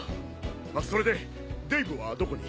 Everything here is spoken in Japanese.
それでデイヴはどこに？